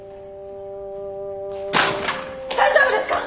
大丈夫ですか！？